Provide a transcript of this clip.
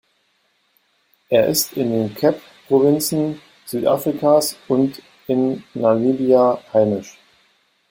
Er ist in den Cape-Provinzen Südafrikas und in Namibia heimisch.